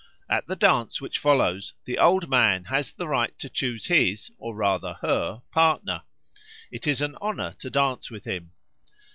At the dance which follows, the Old Man has the right to choose his, or rather her, partner; it is an honour to dance with him.